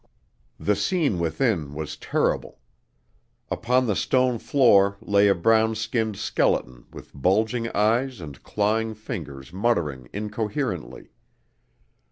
The scene within was terrible. Upon the stone floor lay a brown skinned skeleton with bulging eyes and clawing fingers muttering incoherently.